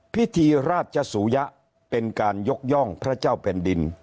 พิธีราชสุยะเป็นการยกย่องพระเจ้าแผ่นดิน